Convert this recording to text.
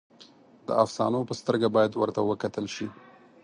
د افسانو په سترګه باید ورته وکتل شي.